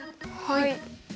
はい。